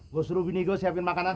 gue suruh gini gue siapin makanan